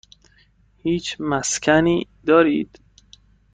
هیچ مسکنی دارید؟